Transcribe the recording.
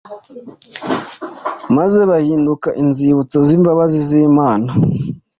maze bahinduka inzibutso z’imbabazi z’Imana